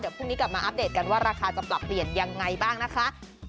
พรุ่งนี้กลับมาอัปเดตกันว่าราคาจะปรับเปลี่ยนยังไงบ้างนะคะ